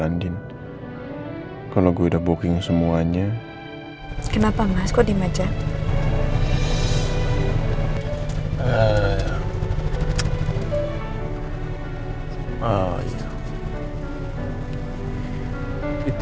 andin kalau gua udah booking semuanya kenapa mas kau di majang